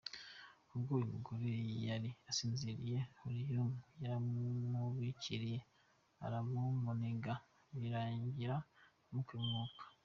Ubwo uyu mugore yari asinziriye, Hariom yaramwubikiriye aramuniga birangira amukuyemo umwuka.